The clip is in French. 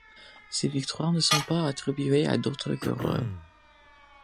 Ses victoires ne sont pas attribuées à d'autres coureurs.